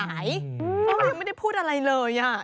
อ๋อออมันยังไม่ได้พูดอะไรเลยอ่ะ